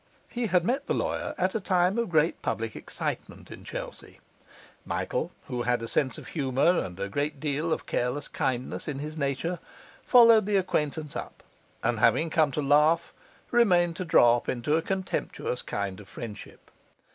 He had met the lawyer at a time of great public excitement in Chelsea; Michael, who had a sense of humour and a great deal of careless kindness in his nature, followed the acquaintance up, and, having come to laugh, remained to drop into a contemptuous kind of friendship.